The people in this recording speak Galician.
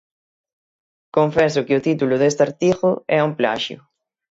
Confeso que o título deste artigo é un plaxio.